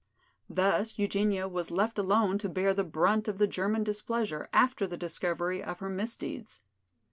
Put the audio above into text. Thus Eugenia was left alone to bear the brunt of the German displeasure after the discovery of her misdeeds.